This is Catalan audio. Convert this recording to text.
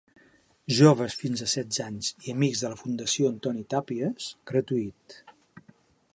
Joves fins a setze anys i Amics de la Fundació Antoni Tàpies, gratuït.